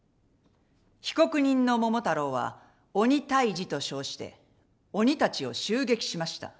被告人の桃太郎は鬼退治と称して鬼たちを襲撃しました。